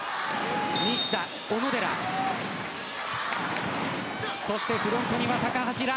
西田、小野寺そしてフロントには高橋藍。